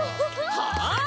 はあ！？